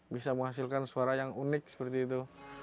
bisa menghasilkan suara yang unik seperti itu